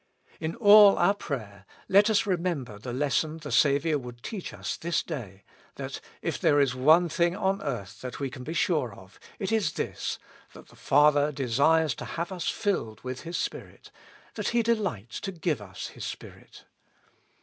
In all our prayer let us remember the lesson the Saviour would teach us this day, that, if there is one thing 07t earth we can be sure of, it is this, that the Father desires to have tis filled with His Spirit, that He delights to give us His Spirit.